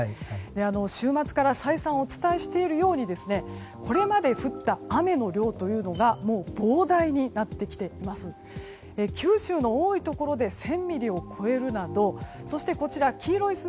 週末から再三お伝えしているようにこれまで降った雨の量というのが膨大になってきています。